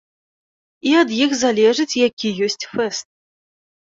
І ад іх залежыць, які ёсць фэст.